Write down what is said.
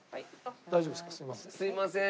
すみません。